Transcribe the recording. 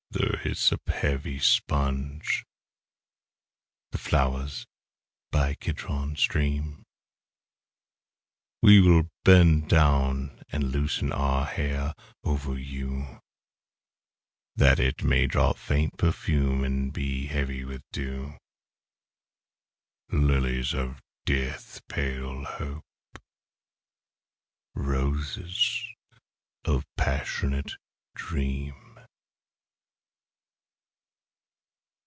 The hyssop heavy sponge, the flowers by Kidron stream : We will bend down and loosen our hair over you, 52 That it may drop faint perfume, and be heavy with dew, Lilies of death pale hope, roses of passionate dream.